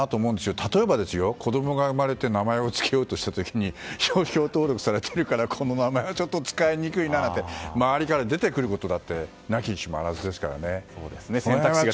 例えば、子供が生まれて名前を付けようとした時に商標登録されているからこの名前はちょっと使いにくいななんて周りから出てくることだって無きにしも非ずですからね。